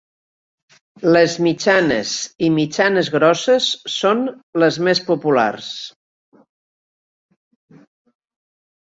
Les mitjanes i mitjanes-grosses són les més populars.